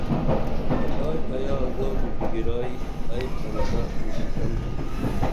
پھتائی ایا زادی بِگِرائی ائی پھن تہ نِشِسن تُھم